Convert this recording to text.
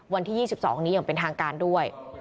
วันที่๒๒นี้อย่างเป็นทางการด้วย